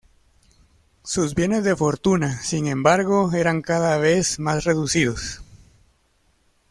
Sus bienes de fortuna, sin embargo, eran cada vez más reducidos.